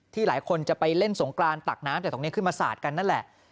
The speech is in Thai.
หลายคนจะไปเล่นสงกรานตักน้ำจากตรงนี้ขึ้นมาสาดกันนั่นแหละ